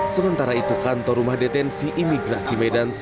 sementara itu kantor rumah detensi imigrasi medan